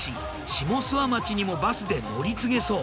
下諏訪町にもバスで乗り継げそう。